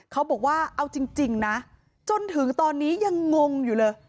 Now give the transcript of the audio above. เขาบอกว่าเอาจริงนะจนถึงตอนนี้ยังงงอยู่เลย